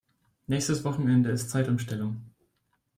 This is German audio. Nächstes Wochenende ist Zeitumstellung.